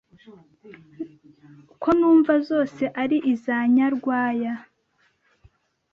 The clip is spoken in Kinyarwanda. Ko numva zose ari iza Nyarwaya,